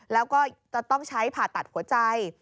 แล้วก็จะต้องใช้ผ่าตัดหัวใจ